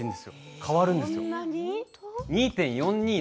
変わるんですよ。